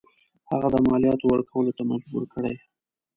هغه د مالیاتو ورکولو ته مجبور کړي.